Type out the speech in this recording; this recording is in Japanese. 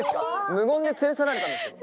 無言で連れ去られたんですけど。